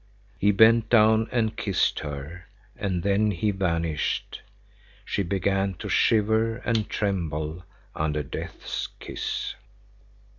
He bent down and kissed her, and then he vanished; she began to shiver and tremble under Death's kiss.